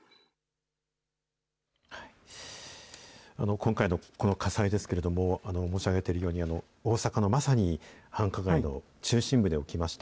今回のこの火災ですけれども、申し上げているように、大阪のまさに繁華街の中心部で起きました。